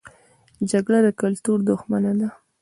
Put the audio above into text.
جګړه د کلتور دښمنه ده